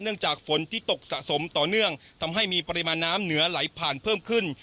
จากฝนที่ตกสะสมต่อเนื่องทำให้มีปริมาณน้ำเหนือไหลผ่านเพิ่มขึ้น